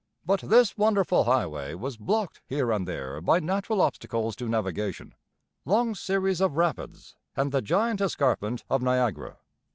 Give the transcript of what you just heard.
But this wonderful highway was blocked here and there by natural obstacles to navigation, long series of rapids and the giant escarpment of Niagara.